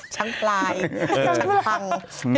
ชั้นปลายชั้นพัง